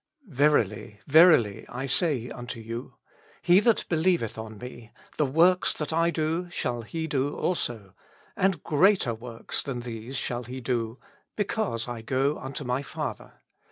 Verily, verily^ I say unto you, He that believeth on vie, the works that I do shall he do also ; and GREATER WORKS than these shall he do ; because I go unto my Father.